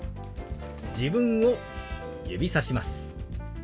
自分を指さします。